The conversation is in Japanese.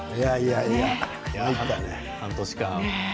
半年間。